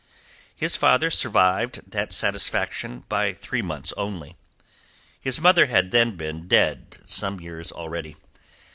His father survived that satisfaction by three months only. His mother had then been dead some years already.